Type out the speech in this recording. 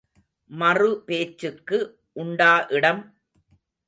மறுபேச்சுக்கு உண்டா இடம்?